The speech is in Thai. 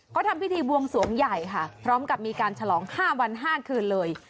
เขาทำพิธีบวงสวงใหญ่ค่ะพร้อมกับมีการฉลอง๕วัน๕คืนเลย